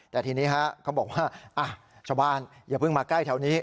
แต่ทีนี้เขาบอกว่าชาวบ้านอย่าเพิ่งมาใกล้แถวนี้